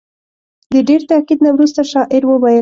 د ډېر تاکید نه وروسته شاعر وویل.